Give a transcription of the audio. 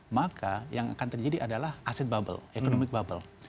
maka yang akan terjadi adalah aset bubble economic bubble